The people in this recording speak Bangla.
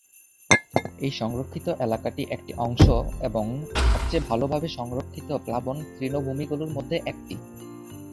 এই সংরক্ষিত এলাকাটি একটি অংশ এবং সবচেয়ে ভালোভাবে সংরক্ষিত প্লাবন-তৃণভূমিগুলোর মধ্যে একটি।